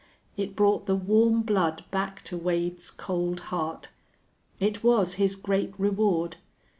It brought the warm blood back to Wade's cold heart. It was his great reward.